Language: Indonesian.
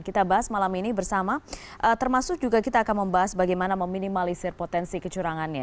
kita bahas malam ini bersama termasuk juga kita akan membahas bagaimana meminimalisir potensi kecurangannya